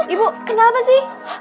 ibu kenapa sih